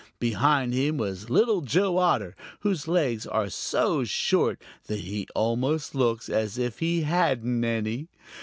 Behind him was Little Joe Otter, whose legs are so short that he almost looks as if he hadn't any.